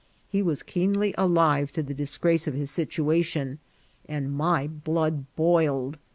He was keenly alive to the disgrace of his situation, and my blood boiled.